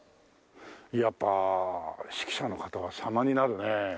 やっぱ指揮者の方は様になるね。